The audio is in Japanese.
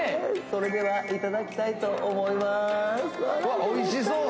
それではいただきたいと思いまーすおいしそう！